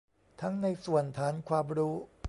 ทั้งในส่วนฐานความรู้